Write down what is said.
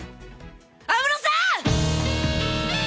安室さん！